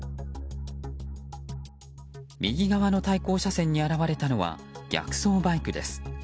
右側の対向車線に現れたのは逆走バイクです。